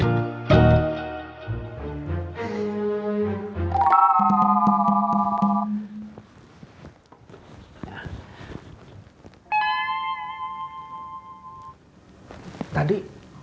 iya pak tuhari